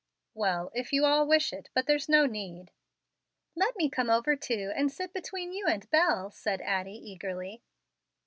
"Well, if you all wish it; but there's no need." "Let me come over, too, and sit between you and Bel," said Addie, eagerly.